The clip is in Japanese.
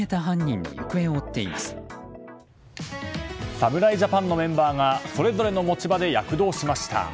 侍ジャパンのメンバーがそれぞれの持ち場で躍動しました。